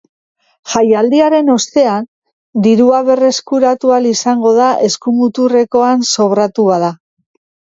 Jaialdiaren ostean, dirua berreskuratu ahal izango da eskumuturrekoan sobratu bada.